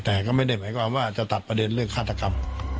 แต่ก็ไม่ได้หมายความว่าจะตัดประเด็นเรื่องฆาตกรรม